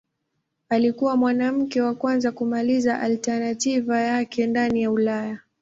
Alikuwa mwanamke wa kwanza kumaliza alternativa yake ndani ya Ulaya.